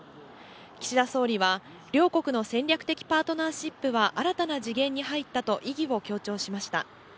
岸田総理は、両国の戦略的パートナーシップは新たな次元に入ったと、意義を強調しました。